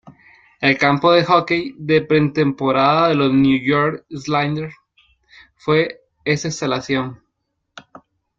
El campo de hockey de pretemporada de los New York Islanders fue esta instalación.